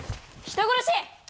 人殺し！